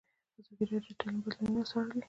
ازادي راډیو د تعلیم بدلونونه څارلي.